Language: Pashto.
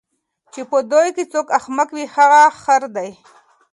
چی په دوی کی څوک احمق وي هغه خر دی